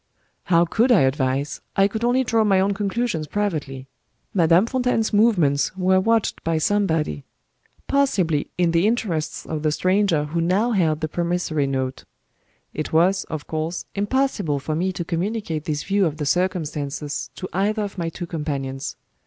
How could I advise? I could only draw my own conclusions privately. Madame Fontaine's movements were watched by somebody; possibly in the interests of the stranger who now held the promissory note. It was, of course, impossible for me to communicate this view of the circumstances to either of my two companions.